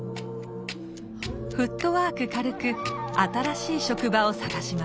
フットワーク軽く新しい職場を探します。